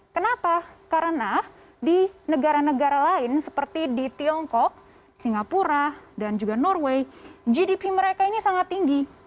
kenapa karena di negara negara lain seperti di tiongkok singapura dan juga norway gdp mereka ini sangat tinggi